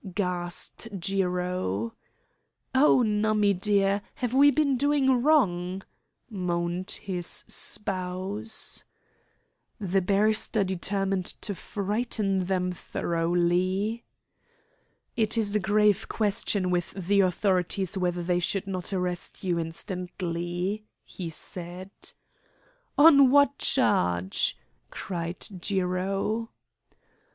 gasped Jiro. "Oh, Nummie dear, have we been doing wrong?" moaned his spouse. The barrister determined to frighten them thoroughly. "It is a grave question with the authorities whether they should not arrest you instantly," he said. "On what charge?" cried Jiro.